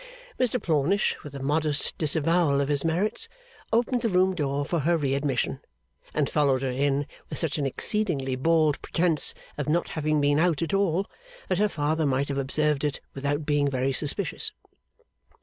Mr Plornish, with a modest disavowal of his merits, opened the room door for her readmission, and followed her in with such an exceedingly bald pretence of not having been out at all, that her father might have observed it without being very suspicious.